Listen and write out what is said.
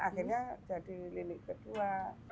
akhirnya jadi lini kedua